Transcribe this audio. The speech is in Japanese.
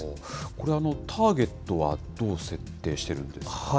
これ、ターゲットはどう設定しているんですかね。